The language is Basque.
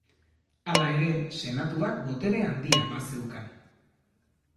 Hala ere, Senatuak botere handia bazeukan.